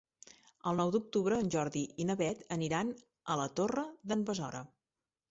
El nou d'octubre en Jordi i na Beth aniran a la Torre d'en Besora.